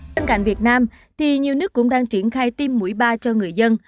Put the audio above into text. tên cạnh việt nam nhiều nước cũng đang triển khai tiêm mũi ba cho người dân